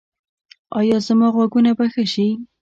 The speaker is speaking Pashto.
ایا زما غوږونه به ښه شي؟